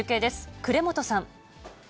呉本さん。